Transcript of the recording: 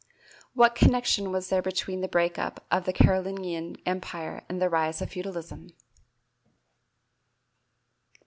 What connection was there between the break up of the Carolingian Empire and the rise of feudalism?